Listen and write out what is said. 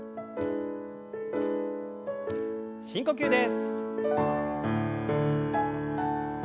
深呼吸です。